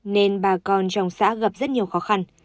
nên bà con trong xã gặp rất nhiều khó khăn